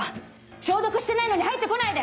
消毒してないのに入ってこないで！